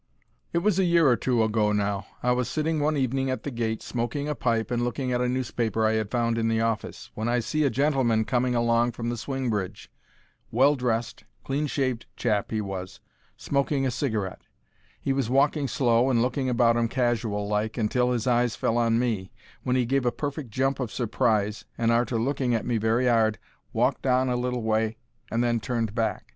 It was a year or two ago now. I was sitting one evening at the gate, smoking a pipe and looking at a newspaper I 'ad found in the office, when I see a gentleman coming along from the swing bridge. Well dressed, clean shaved chap 'e was, smoking a cigarette. He was walking slow and looking about 'im casual like, until his eyes fell on me, when he gave a perfect jump of surprise, and, arter looking at me very 'ard, walked on a little way and then turned back.